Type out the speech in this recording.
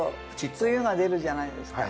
つゆが出るじゃないですか。